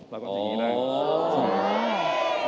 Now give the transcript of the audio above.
เราก็แบบนี้ได้